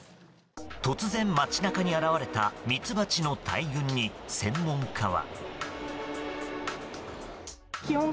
突然、街中に現れたミツバチの大群に専門家は。